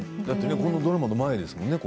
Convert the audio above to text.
このドラマの前ですよね